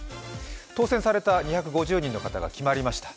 当選された２５０人の方が決まりました。